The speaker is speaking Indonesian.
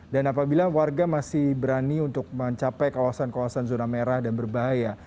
dan apabila warga masih berani untuk mencapai kawasan kawasan zona merah dan berbahaya